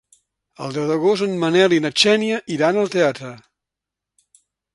El deu d'agost en Manel i na Xènia iran al teatre.